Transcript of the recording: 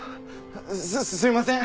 すすいません！